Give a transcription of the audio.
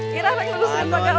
kira kira terus terus gitu pak garo